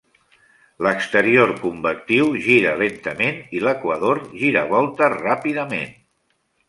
L'exterior convectiu gira lentament i l'equador giravolta ràpidament.